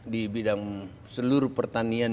di bidang seluruh pertanian